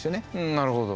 なるほど。